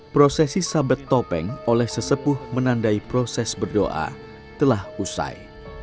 prosesi sabet topeng oleh sesepuh menandai proses berdoa telah usai